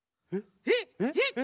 えっ？